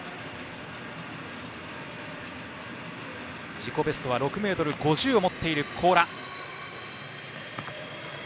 自己ベストは６ｍ５０を持っている高良。